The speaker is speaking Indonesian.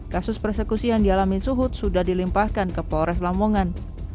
kasus persekusi yang dialami suhut sudah dilimpahkan ke polres lamongan